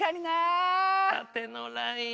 縦のライン。